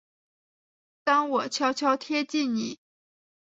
当我悄悄贴近你